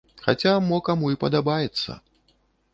Хаця мо каму і падабаецца.